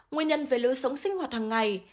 nguyên nhân về lưu sống sinh hoạt hàng ngày